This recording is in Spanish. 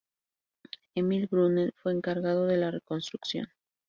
Emile Brunet fue encargado de la reconstrucción.